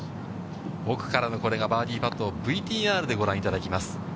奥からのこれがバーディーパット、ＶＴＲでご覧いただきます。